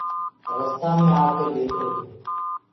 رستآ مي آڪي ديکرو تو